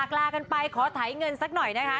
เพื่อนไปขอไถเงินสักหน่อยนะคะ